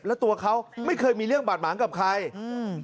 แล้วตัวเขาไม่เคยมีเรื่องบาดหมางกับใครอืม